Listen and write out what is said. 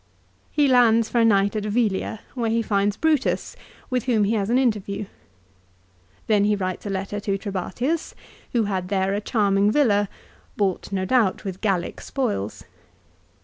He lands for a night at Velia, where he finds Brutus, with whom he has an interview. Then he writes a letter to Trebatius, who had there a charming villa, bought no doubt with Gallic spoils.